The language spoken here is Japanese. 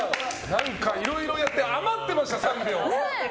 何かいろいろやって余ってました、３秒。